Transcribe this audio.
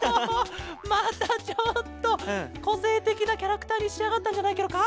またちょっとこせいてきなキャラクターにしあがったんじゃないケロか。